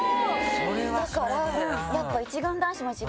だからやっぱ。